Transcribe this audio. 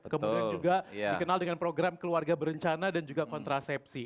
kemudian juga dikenal dengan program keluarga berencana dan juga kontrasepsi